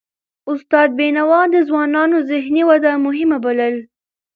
استاد بينوا د ځوانانو ذهني وده مهمه بلله.